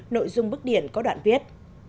nội dung bức điển có đoạn viết